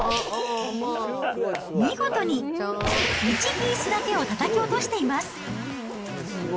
見事に１ピースだけをたたき落としています。